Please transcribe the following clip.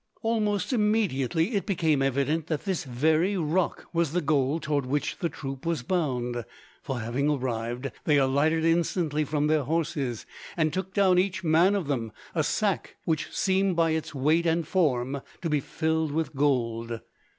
"] Almost immediately it became evident that this very rock was the goal toward which the troop was bound, for having arrived they alighted instantly from their horses, and took down each man of them a sack which seemed by its weight and form to be filled with gold.